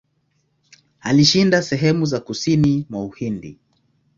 Alishinda sehemu za kusini mwa Uhindi.